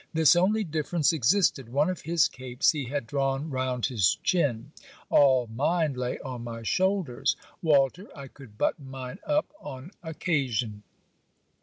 This only difference existed, one of his capes he had drawn round his chin, all mine lay on my shoulders. Walter, I could button mine up on occasion.